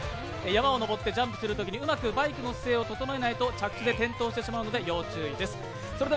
山を登ってジャンプをするときにうまくバイクのバランスを整えないと着地で転倒してしまうので、要注意です。